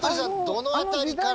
どの辺りから？